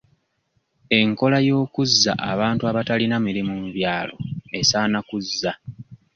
Enkola y'okuzza abantu abatalina mirimu mu byalo esaana kuzza.